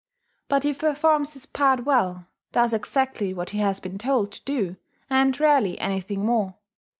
But he performs his part well, does exactly what he has been told to do, and rarely anything more.